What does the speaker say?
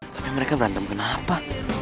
tapi mereka berantem kenapa